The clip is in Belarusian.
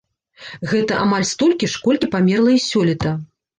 Гэта амаль столькі ж, колькі памерла і сёлета.